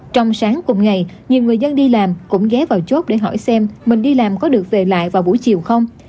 trong sáng cùng ngày nhiều người dân đi làm cũng ghé vào chốt để hỏi xem mình đi làm có được về lại vào buổi chiều không